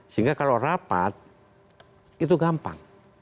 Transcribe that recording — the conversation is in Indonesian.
sehingga kalau rapat itu gampang